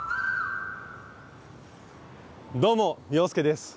どうも洋輔です。